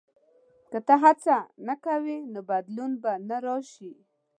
• که ته هڅه نه کوې، نو بدلون به نه راشي.